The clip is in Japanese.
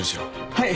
はい。